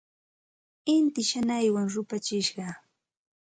Inti shanaywan rupachishqa.